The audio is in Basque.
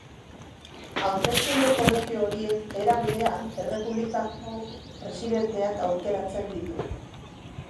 Hauteskunde-kolegio horiek, era berean, Errepublikako presidenteak aukeratzen ditu.